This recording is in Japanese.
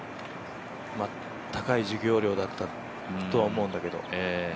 高い授業料だったとは思うんだけど。